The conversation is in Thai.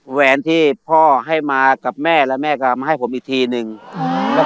แหวนที่พ่อให้มากับแม่แล้วแม่ก็เอามาให้ผมอีกทีหนึ่งอืม